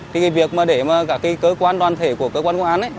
thì việc mà để cả cơ quan đoàn thể của cơ quan công an